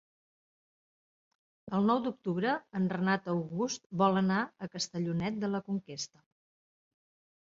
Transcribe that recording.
El nou d'octubre en Renat August vol anar a Castellonet de la Conquesta.